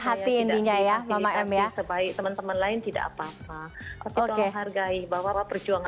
hati indinya ya mama em ya sebaik teman teman lain tidak apa apa oke hargai bahwa perjuangan